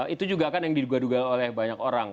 itu juga kan yang diduga duga oleh banyak orang